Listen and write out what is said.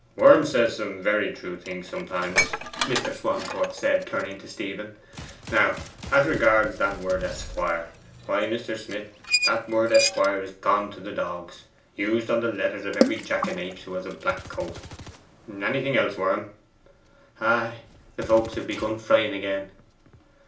'Worm says some very true things sometimes,' Mr. Swancourt said, turning to Stephen. 'Now, as regards that word "esquire." Why, Mr. Smith, that word "esquire" is gone to the dogs, used on the letters of every jackanapes who has a black coat. Anything else, Worm?' 'Ay, the folk have begun frying again!